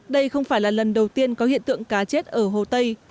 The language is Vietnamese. đây không phải là lần đầu tiên có hiện tượng cá chết ở hồ tây